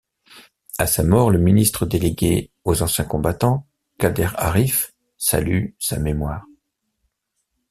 À sa mort, le ministre délégué aux Anciens combattants, Kader Arif, salue sa mémoire.